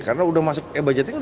karena udah masuk e budgeting